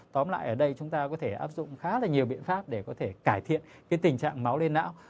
tóm lại ở đây chúng ta có thể áp dụng khá là nhiều biện pháp để có thể cải thiện tình trạng máu lên não